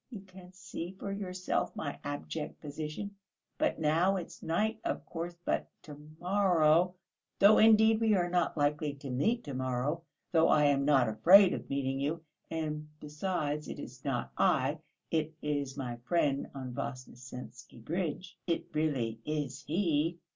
you can see for yourself my abject position; but now it's night, of course, but to morrow ... though indeed we are not likely to meet to morrow, though I am not afraid of meeting you and besides, it is not I, it is my friend on the Voznesensky Bridge, it really is he!